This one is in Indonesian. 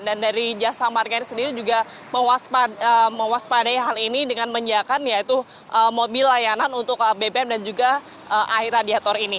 dan dari jasa marga ini sendiri juga mewaspadai hal ini dengan menyediakan yaitu mobil layanan untuk bpm dan juga air radiator ini